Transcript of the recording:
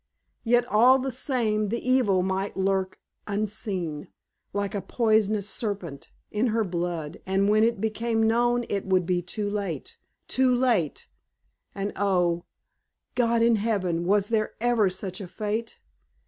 Yet all the same the evil might lurk unseen, like a poisonous serpent, in her blood, and when it became known it would be too late too late! And oh, God in Heaven! was there ever such a fate?